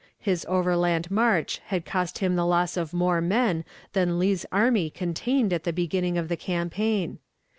His overland march had cost him the loss of more men than Lee's army contained at the beginning of the campaign.